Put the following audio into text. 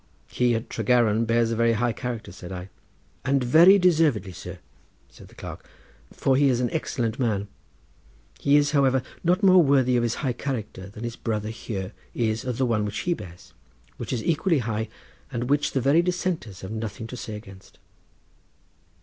"He at Tregaron bears a very high character," said I. "And very deservedly, sir," said the clerk, "for he is an excellent man; he is, however, not more worthy of his high character than his brother here is of the one which he bears, which is equally high, and which the very dissenters have nothing to say against."